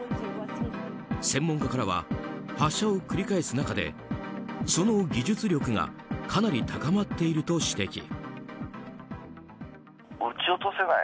専門家からは発射を繰り返す中でその技術力がかなり高まっていると指摘。